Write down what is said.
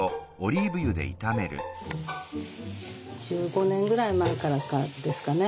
１５年ぐらい前からかですかね。